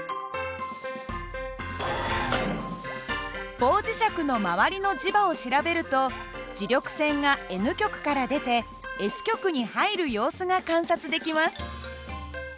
棒磁石のまわりの磁場を調べると磁力線がＮ極から出てＳ極に入る様子が観察できます。